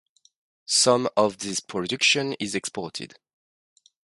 Some of this production is exported.